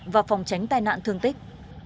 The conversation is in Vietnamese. và phòng tránh tai nạn thương tích